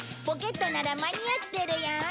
ポケットなら間に合ってるよ。